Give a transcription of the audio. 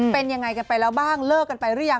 เป็นยังไงกันไปแล้วบ้างเลิกกันไปหรือยัง